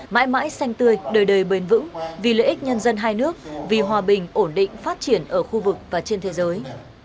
mãi mãi xanh tươi đời đời bền vững vì lợi ích nhân dân hai nước vì hòa bình ổn định phát triển ở khu vực và trên thế giới